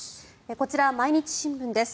こちら毎日新聞です。